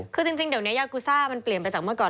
คือจริงเดี๋ยวนี้ยากูซ่ามันเปลี่ยนไปจากเมื่อก่อน